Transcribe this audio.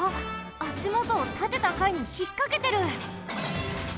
あしもとをたてたかいにひっかけてる！